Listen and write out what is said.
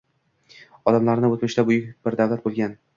Odamlarni oʻtmishda buyuk bir davlat boʻlgan